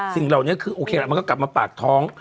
ซึ่งเรานี่คือโอเคแล้วมันก็กลับมาปากท้อง